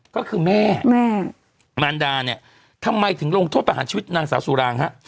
ก็คือแม่แม่มารดาเนี่ยทำไมถึงลงโทษประหารชีวิตนางสาวสุรางฮะ